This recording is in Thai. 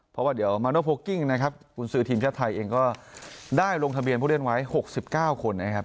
เพราะว่าเดี๋ยวมาโนโพลกิ้งนะครับกุญสือทีมชาติไทยเองก็ได้ลงทะเบียนผู้เล่นไว้๖๙คนนะครับ